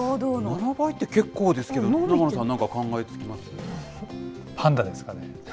７倍って結構ですけど、永野さん、なんか考えつきます？